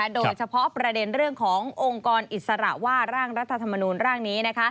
โดยเฉพาะประเด็นเรื่องขององค์กรอิสระว่าร่างรัฐธรรมนูลร่างนี้